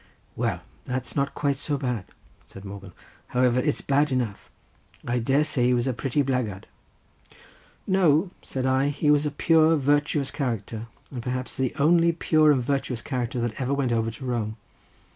"Well, that's not quite so bad," said Morgan; "however, it's bad enough. I dare say he was a pretty blackguard." "No," said I; "he was a pure, virtuous character, and perhaps the only pure and virtuous character that ever went over to Rome.